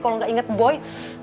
kalau gak inget boy